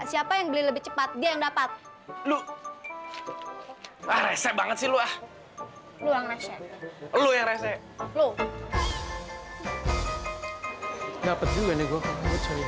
siapa yang beli lebih cepat dia yang dapat lu ah resep banget sih lu ah lu yang resep